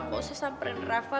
gak usah samperin reva